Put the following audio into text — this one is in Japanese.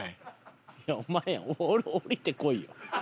いやお前降りてこいよ。